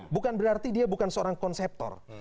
bukan berarti dia bukan seorang konseptor